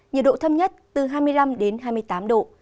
nhiệt độ thấp nhất từ hai mươi năm đến hai mươi tám độ